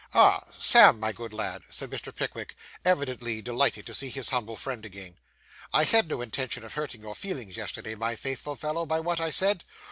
'Ah, Sam, my good lad!' said Mr. Pickwick, evidently delighted to see his humble friend again; 'I had no intention of hurting your feelings yesterday, my faithful fellow, by what I said.